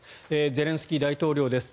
ゼレンスキー大統領です。